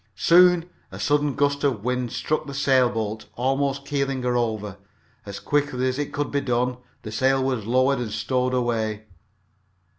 Soon a sudden gust of wind struck the sailboat, almost keeling her over. As quickly as it could be done, the sail was lowered and stowed away.